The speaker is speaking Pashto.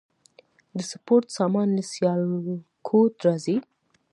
د سپورت سامان له سیالکوټ راځي؟